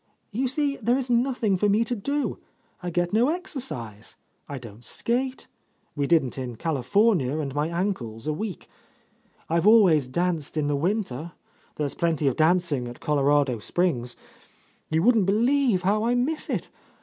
"You see there is nothing for me to do. I get no exercise, I don't skate ; we didn't in California, and my ankles are weak. I've always danced in the winter, there's plenty of dancing at Colorado Springs. You wouldn't believe how I miss it.